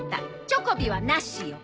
チョコビはなしよ。